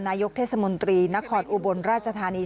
นายกเทศมนตรีนครอุบลราชธานี